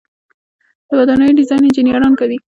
د ودانیو ډیزاین انجنیران کوي